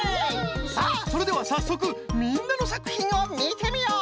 さあそれではさっそくみんなのさくひんをみてみよう！